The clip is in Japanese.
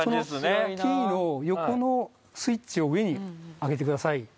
そのキーの横のスイッチを上に上げてください。